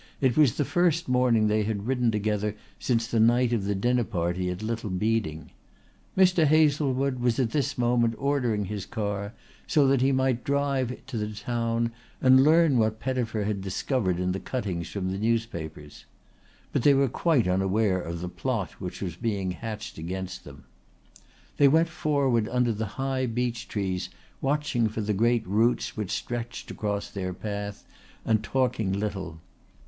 It was the first morning they had ridden together since the night of the dinner party at Little Beeding. Mr. Hazlewood was at this moment ordering his car so that he might drive in to the town and learn what Pettifer had discovered in the cuttings from the newspapers. But they were quite unaware of the plot which was being hatched against them. They went forward under the high beech trees watching for the great roots which stretched across their path, and talking little.